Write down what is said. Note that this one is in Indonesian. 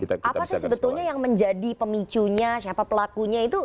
apa sih sebetulnya yang menjadi pemicunya siapa pelakunya itu